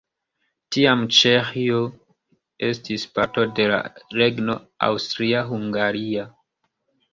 Tiam Ĉeĥio estis parto de la regno Aŭstria-Hungaria.